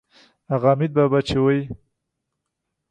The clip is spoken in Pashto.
هغه حمیدبابا چې وایي.